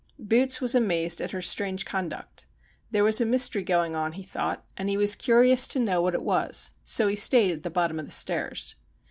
Boots was amazed at her strange conduct. There was a mystery going on, he thought, and he was curious to know what it was, so he stayed at the bottom of the stairs.